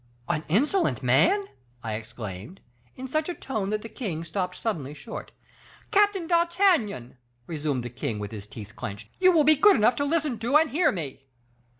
"'An insolent man!' I exclaimed, in such a tone that the king stopped suddenly short. "'Captain d'Artagnan,' resumed the king, with his teeth clenched, 'you will be good enough to listen to and hear me.